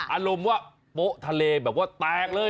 อารมณ์ว่าโป๊ะทะเลแบบว่าแตกเลย